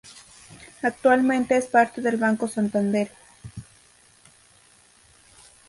Actualmente es parte del Banco Santander.